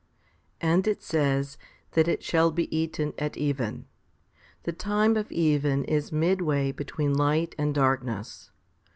9. And it says that it shall be eaten at even. The time of even is midway between light and darkness.